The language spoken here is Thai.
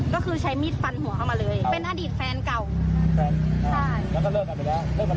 ก็คือใช้มีดฟันหัวเข้ามาเลยเป็นอดีตแฟนเก่าแฟนใช่แล้วก็เลิกกันไปแล้ว